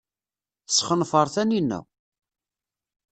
Tesxenfer Taninna.